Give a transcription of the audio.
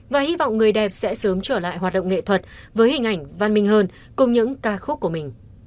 và hy vọng người đẹp sẽ sớm trở lại hoạt động nghệ thuật với hình ảnh văn minh hơn cùng những ca khúc của mình